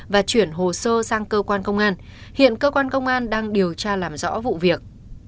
và chuyển hồ sơ sang cơ quan công an hiện cơ quan công an đang điều tra làm rõ vụ việc